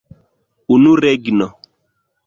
Unu regno!